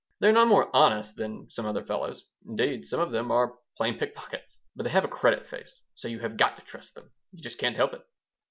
They are not more honest than some other fellows. Indeed, some of them are plain pickpockets, but they have a credit face, so you have got to trust them. You just can't help it."